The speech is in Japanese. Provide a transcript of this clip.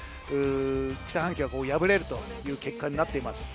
北半球は敗れるという結果になっています。